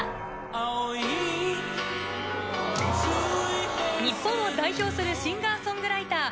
青い水平線を日本を代表するシンガー・ソングライター。